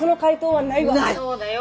そうだよ。